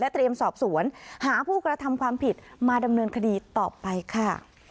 เตรียมสอบสวนหาผู้กระทำความผิดมาดำเนินคดีต่อไปค่ะ